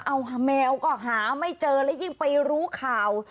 เอาหาแมวก็หาไม่เจอและยิ่งไปรู้ข่าว